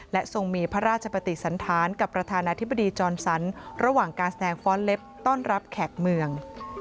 และทรงมีพระราชปฏิสันธารกับประธานาธิบดีจรสันระหว่างการแสดงฟ้อนเล็บต้อนรับแขกเมือง